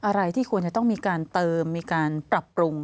อะไรที่ควรจะต้องมีการเติมมีการปรับปรุง